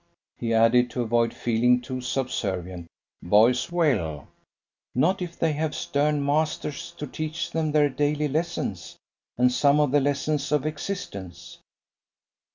He added, to avoid feeling too subservient: "Boys will." "Not if they have stern masters to teach them their daily lessons, and some of the lessons of existence."